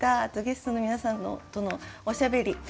あとゲストの皆さんとのおしゃべり